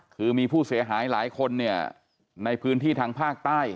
คือมีผู้เสียหายหลายคนเนี่ยในพื้นที่ทางภาคใต้